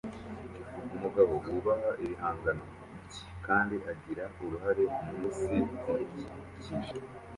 Umugabo wubaha ibihangano bye kandi agira uruhare mu isi imukikije